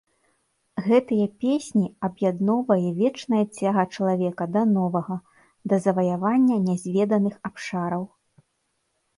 Гэтыя песні аб'ядноўвае вечная цяга чалавека да новага, да заваявання нязведаных абшараў.